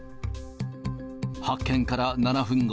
発見から７分後、